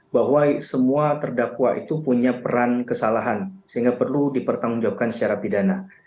bahwa semua terdakwa itu punya peran kesalahan sehingga perlu dipertanggungjawabkan secara pidana